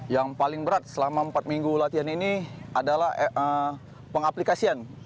yang paling berat selama empat minggu latihan ini adalah pengaplikasian